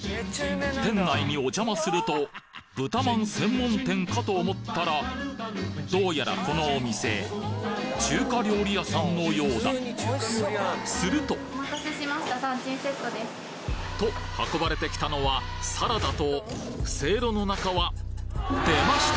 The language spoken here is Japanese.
店内にお邪魔すると豚まん専門店かと思ったらどうやらこのお店中華料理屋さんのようだするとお待たせしました。と運ばれてきたのはサラダとせいろの中は出ました！